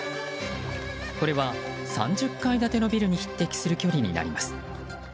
これは、３０階建てのビルに匹敵する距離になります。